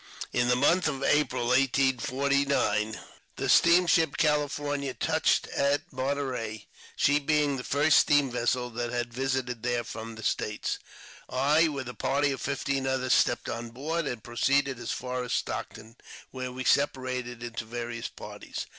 In the month of April, 1849, the steamship Cahfornia touched at Monterey, she being the first steam vessel that had visited there from the States. I, with a party of fifteen others, stepped on board, and proceeded as far as Stockton, where we separated into various parties.